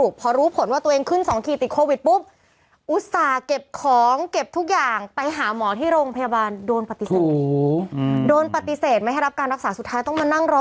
แบบนี้ค่ะ